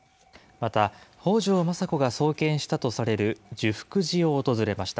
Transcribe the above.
また、北条政子が創建したとされる寿福寺を訪れました。